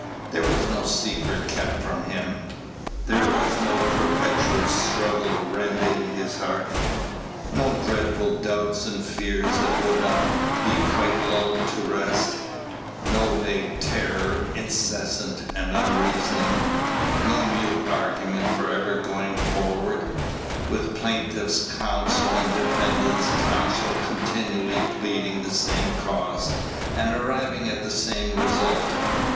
There was no secret kept from him. There was no perpetual struggle rending his heart; no dreadful doubts and fears that would not be quite lulled to rest; no vague terror, incessant and unreasoning; no mute argument for ever going forward, with plaintiff's counsel and defendant's counsel continually pleading the same cause, and arriving at the same result.